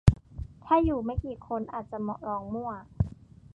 ถ้าอยู่ไม่กี่คนอาจจะลองมั่ว